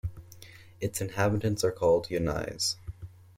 Its inhabitants are called "Yonnais".